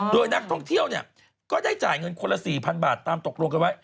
โดยนักท่องเที่ยวเนี่ยก็ได้จ่ายเงินคนละ๔๐๐๐บาทตามตกลงกันไว้